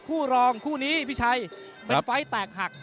คู่รองคู่นี้พี่ชัยเป็นไฟล์แตกหัก